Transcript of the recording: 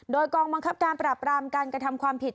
โดยกองบังคับการปราบรามการกระทำความผิด